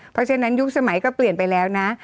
เพราะฉะนั้นยุคสมัยก็เปลี่ยนไปแล้วนะ